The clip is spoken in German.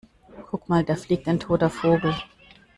Guck mal, da fliegt ein toter Vogel!